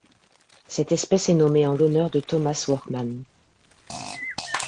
Cette espèce est nommée en l'honneur de Thomas Workman.